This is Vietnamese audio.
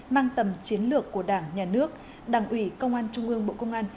mang tầm chiến lược của đảng nhà nước đảng ủy công an trung ương bộ công an